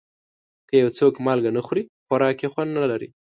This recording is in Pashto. که یو څوک مالګه نه خوري، خوراک یې خوند نه لري.